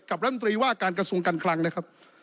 รัฐมนตรีว่าการกระทรวงการคลังนะครับ